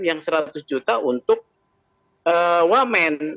yang seratus juta untuk wamen